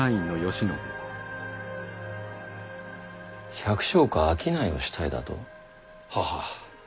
百姓か商いをしたいだと？ははっ。